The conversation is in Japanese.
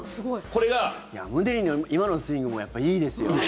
ムネリンの今のスイングもやっぱ、いいですよ。